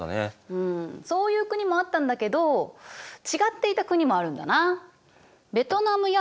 うんそういう国もあったんだけど違っていた国もあるんだな。